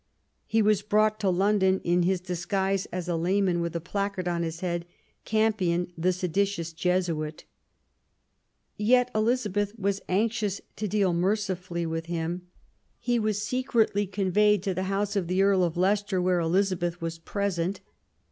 He was brought to London in his dis guise as a layman, with a placard on his head, " Campion, the seditious Jesuit ". Yet Elizabeth was anxious to deal mercifully with him. He was secretly conveyed to the house of the Earl of Leicester, where Elizabeth was present.